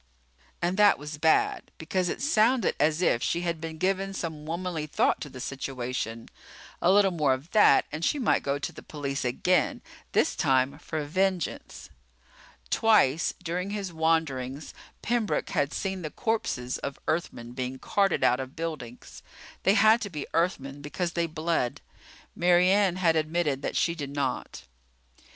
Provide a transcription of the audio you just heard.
And that was bad because it sounded as if she had been giving some womanly thought to the situation. A little more of that and she might go to the police again, this time for vengeance. Twice during his wanderings Pembroke had seen the corpses of Earthmen being carted out of buildings. They had to be Earthmen because they bled. Mary Ann had admitted that she did not.